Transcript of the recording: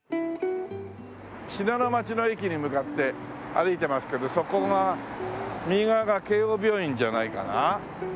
信濃町の駅に向かって歩いてますけどそこが右側が慶應病院じゃないかな？